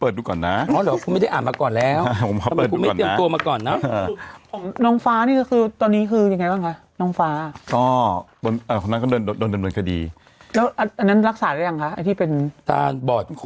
สวัสดีครับ